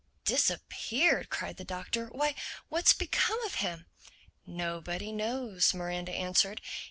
_" "Disappeared!" cried the Doctor. "Why, what's become of him?" "Nobody knows," Miranda answered.